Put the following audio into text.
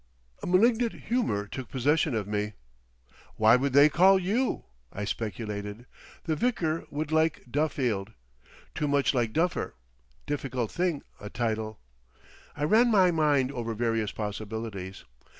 A malignant humour took possession of me. "What would they call you?" I speculated. "The vicar would like Duffield. Too much like Duffer! Difficult thing, a title." I ran my mind over various possibilities.